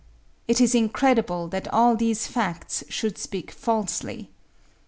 It is incredible that all these facts should speak falsely.